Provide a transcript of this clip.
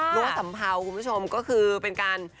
เนื้อสัมเภาคุณผู้ชมก็คือเป็นการ